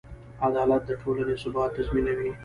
عدالت د ټولنې ثبات تضمینوي.